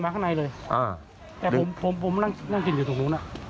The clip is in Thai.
มาข้างในเลยผมนั่งจิ้นอยู่ตรงนู้นนะ